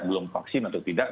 belum vaksin atau tidak